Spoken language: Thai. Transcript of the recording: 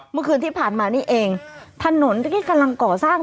เมื่อคืนที่ผ่านมานี่เองถนนที่กำลังก่อสร้าง